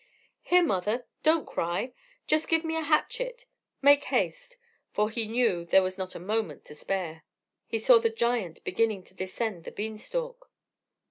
"Here, mother, don't cry; just give me a hatchet; make haste." For he knew there was not a moment to spare; he saw the giant beginning to descend the bean stalk.